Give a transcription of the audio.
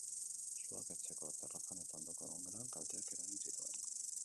Suak etxeko terrazan eta ondoko egongelan kalteak eragin zituen.